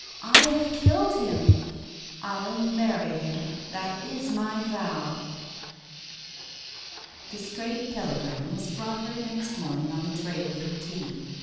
I have killed him ! Til marry him, that is my vow !" The strayed telegram was brought her next morning on the tray with her tea.